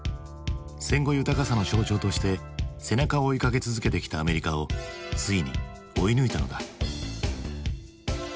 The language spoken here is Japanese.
戦後豊かさの象徴として背中を追いかけ続けてきたアメリカをついに追い抜いたのだ。